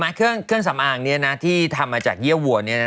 เขาบอกรู้ไหมเครื่องสำอางนี้ที่ทำมาจากเยี่ยววัวนี้